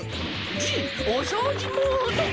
じいおそうじモード！